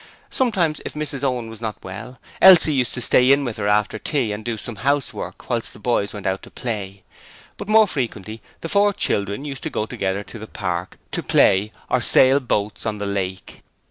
Sometimes, if Mrs Owen were not well, Elsie used to stay in with her after tea and do some housework while the boys went out to play, but more frequently the four children used to go together to the park to play or sail boats on the lake.